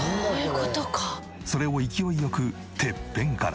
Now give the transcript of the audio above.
それを勢いよくてっぺんから。